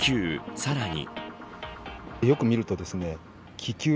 さらに。